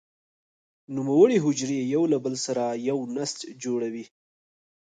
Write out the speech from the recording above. نوموړې حجرې یو له بل سره یو نسج جوړوي.